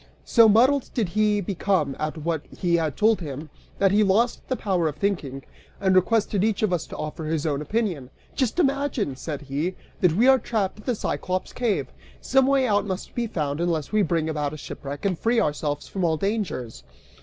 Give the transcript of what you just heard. So muddled did he become, at what had been told him, that he lost the power of thinking, and requested each of us to offer his own opinion. "Just imagine," said he, "that we are trapped in the Cyclops' cave: some way out must be found, unless we bring about a shipwreck, and free ourselves from all dangers!"